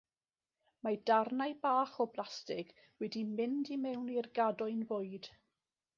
Mae darnau bach o blastig wedi mynd i mewn i'r gadwyn fwyd.